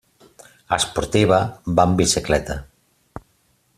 Esportiva, va amb bicicleta.